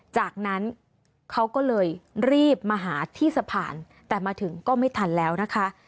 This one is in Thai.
จากนั้นเขาก็เลยรีบมาหาที่สะพานแต่มาถึงก็ไม่ทันแล้วนะคะ